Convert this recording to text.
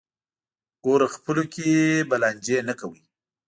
ګوره خپلو کې به لانجې نه کوئ.